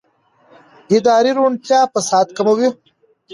اداري روڼتیا فساد کموي